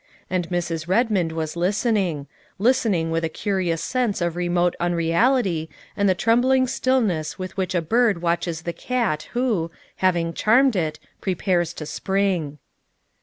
And Mrs. Redmond was listening listening with a curious sense of remote unreality and the trembling stillness with which a bird watches the cat who, having charmed it, prepares to spring.